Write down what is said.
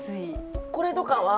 これとかは。